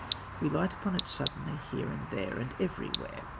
We light upon it suddenly, here, there and everywhere.